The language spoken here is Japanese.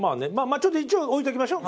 ちょっと一応置いておきましょう。